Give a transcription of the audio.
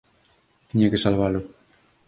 Tiña que salvalo.